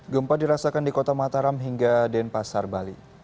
gempa dirasakan di kota mataram hingga denpasar bali